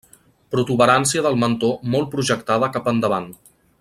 Protuberància del mentó molt projectada cap endavant.